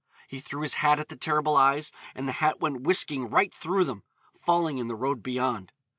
He threw his hat at the terrible eyes, and the hat went whisking right through them, falling in the road beyond.